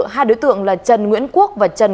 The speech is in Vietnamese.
hai đối tượng là trần nguyễn quốc và trần